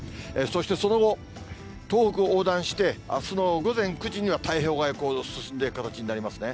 そして、その後、東北を横断して、あすの午前９時には太平洋側へ進んでいく形になりますね。